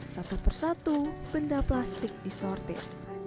satu persatu benda plastik disortir